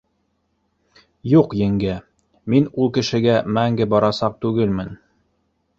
— Юк, еңгә, мин ул кешегә мәңге барасаҡ түгелмен.